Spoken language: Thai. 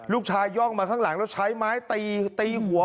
ย่องมาข้างหลังแล้วใช้ไม้ตีตีหัว